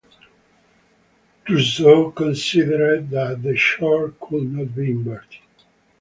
Rousseau considered that the chord could not be inverted.